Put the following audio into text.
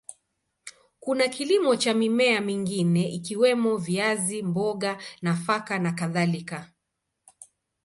Kuna kilimo cha mimea mingine ikiwemo viazi, mboga, nafaka na kadhalika.